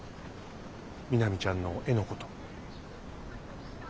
みなみちゃんの絵のこと。